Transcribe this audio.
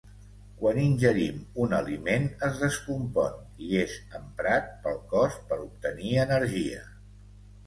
Quan ingerim un aliment, es descompon i és emprat pel cos per obtenir energia.